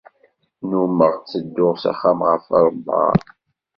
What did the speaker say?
Nnumeɣ ttedduɣ s axxam ɣef ṛṛebɛa.